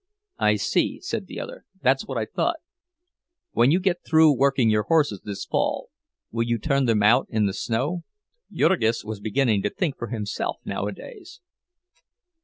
"I see," said the other, "that's what I thought. When you get through working your horses this fall, will you turn them out in the snow?" (Jurgis was beginning to think for himself nowadays.)